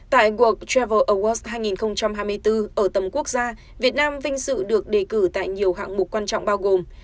tại cuộc travel awards hai nghìn hai mươi bốn ở tầm quốc gia việt nam vinh dự được đề cử tại nhiều hạng mục quan trọng bao gồm